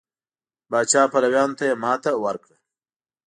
پاچا پلویانو ته یې ماتې ورکړه.